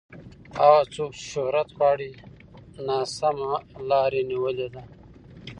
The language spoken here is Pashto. هغه څوک چې شهرت غواړي ناسمه لار یې نیولې ده.